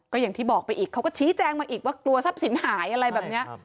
ก็อย่างที่บอกไปอีกเขาก็ชี้แจงมาอีกว่ากลัวทรัพย์สินหายอะไรแบบนี้